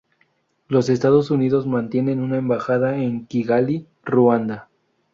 Los Estados Unidos mantienen una embajada en Kigali, Ruanda.